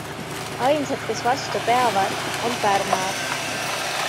Ainsad, kes vastu peavad, on pärnad.